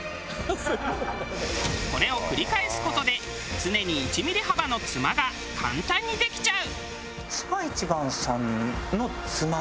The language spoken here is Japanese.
これを繰り返す事で常に１ミリ幅のつまが簡単にできちゃう。